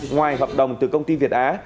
ngoài hợp đồng từ công ty việt á